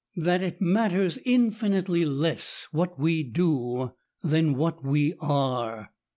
161 that it matters infinitely less what we do than what we are.